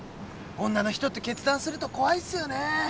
女の人って決断すると怖いっすよね。